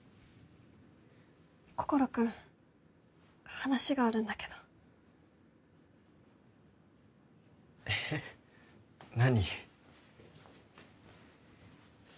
心君話があるんだけどえっ何？